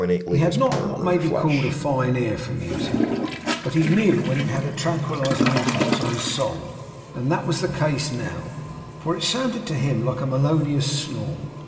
He had not what may be called a fine ear for music, but he knew when it had a tranquilizing influence on his soul; and that was the case now, for it sounded to him like a melodious snore.